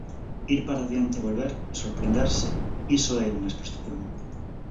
Ir para adiante e volver, sorprenderse... Iso é unha exposición.